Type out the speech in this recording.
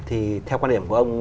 thì theo quan điểm của ông